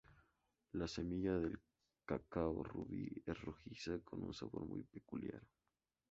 La semilla del cacao "ruby" es rojiza, con un sabor muy peculiar.